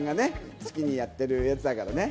好きにやってるやつだからね。